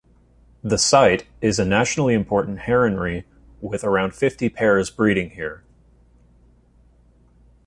The site is a nationally important heronry with around fifty pairs breeding here.